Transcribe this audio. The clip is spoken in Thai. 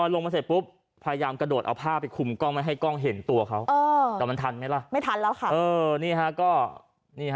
น่าสาขาบ้านเหลื่อมที่อุดรน